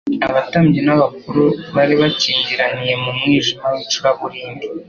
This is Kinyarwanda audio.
abatambyi n'abakuru bari bikingiraniye mu mwijima w'icuraburindi.